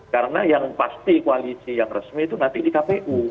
karena yang pasti koalisi yang resmi itu nanti di kpu